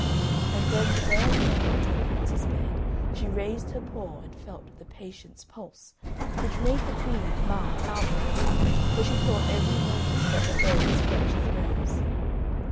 And when the bear came up to the Prince's bed, she raised her paw and felt the patient's pulse, which made the Queen laugh outright, for she thought every moment that the bear would scratch his nose.